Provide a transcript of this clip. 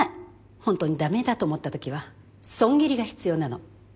ホントに駄目だと思ったときは損切りが必要なの。